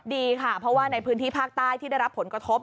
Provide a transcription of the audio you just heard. ดีค่ะเพราะว่าในพื้นที่ภาคใต้ที่ได้รับผลกระทบ